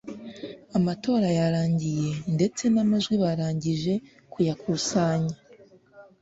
Amatora yarangiye ndetse namajwi barangije kuya kusanya